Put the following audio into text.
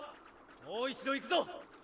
もう一度行くぞ！